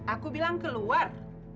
aku bilang keluar